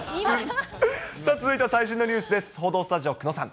続いては最新のニュースです。